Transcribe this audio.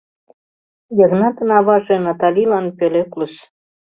Йыгнатын аваже Наталилан пӧлеклыш.